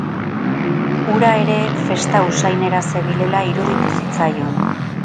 Hura ere festa usainera zebilela iruditu zitzaion.